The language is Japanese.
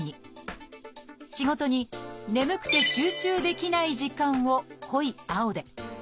仕事に眠くて集中できない時間を濃い青で。